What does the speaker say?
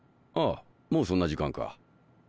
あもうそんな時間か。